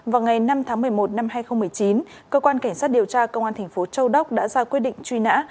vào ngày năm tháng một mươi một năm hai nghìn một mươi chín cơ quan cảnh sát điều tra công an thành phố châu đốc đã ra quyết định truy nã